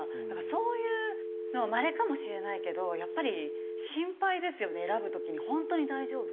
そういうのはまれかもしれないけどやっぱり心配ですよね選ぶ時に本当に大丈夫かな？って。